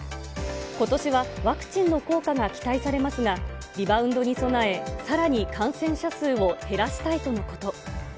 ことしはワクチンの効果が期待されますが、リバウンドに備え、さらに感染者数を減らしたいとのこと。